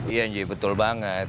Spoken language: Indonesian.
iya betul banget